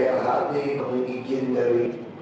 yang memiliki izin dari